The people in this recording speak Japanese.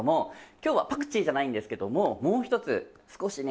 今日はパクチーじゃないんですけどももうひとつ少しね